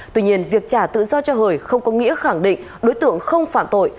tuy nhiên việc trả tự do cho hời không có nghĩa khẳng định đối tượng không phạm tội